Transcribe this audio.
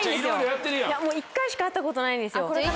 １回しか会ったことないんですよ。